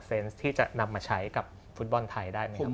แมทตอนที่จอดันไทยเนสซันโดนใบแดง